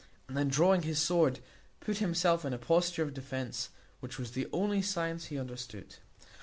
And then, drawing his sword, put himself in a posture of defence, which was the only science he understood.